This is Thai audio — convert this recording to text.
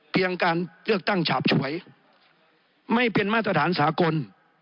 การเลือกตั้งฉาบฉวยไม่เป็นมาตรฐานสากล